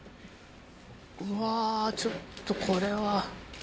うわちょっとこれは。